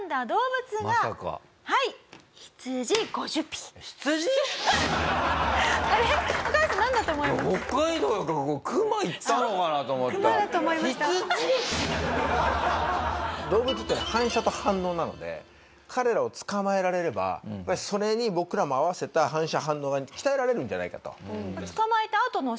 動物っていうのは反射と反応なので彼らを捕まえられればそれに僕らも合わせた反射反応が鍛えられるんじゃないかと。